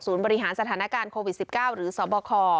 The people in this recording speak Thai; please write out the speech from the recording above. บริหารสถานการณ์โควิด๑๙หรือสบค